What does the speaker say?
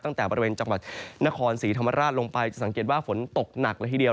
ตั้งแต่บริเวณจังหวัดนครศรีธรรมราชลงไปจะสังเกตว่าฝนตกหนักละทีเดียว